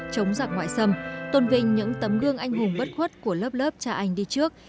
chống giặc ngoại xâm tôn vinh những tấm đương anh hùng bất khuất của lớp lớp cha anh đi trước